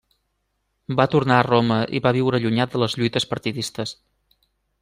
Va tornar a Roma i va viure allunyat de les lluites partidistes.